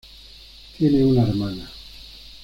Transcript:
Tiene una hermana.